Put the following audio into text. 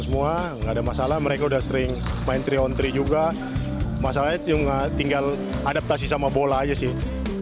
semua nggak ada masalah mereka udah sering main tiga on tiga juga masalahnya tinggal adaptasi sama bola aja sih